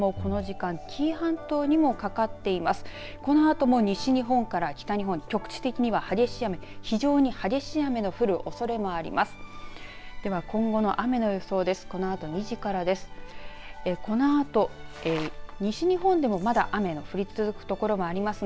このあとも西日本から北日本、局地的には激しい雨非常に激しい雨の降るおそれもあります。